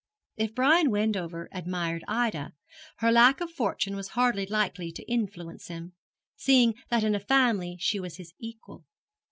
If Brian Wendover admired Ida, her lack of fortune was hardly likely to influence him, seeing that in family she was his equal.